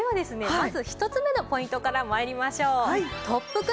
まず１つ目のポイントから参りましょう。